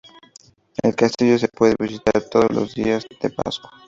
El castillo se puede visitar todos los días de Pascua.